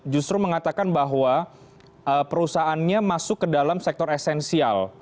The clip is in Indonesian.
justru mengatakan bahwa perusahaannya masuk ke dalam sektor esensial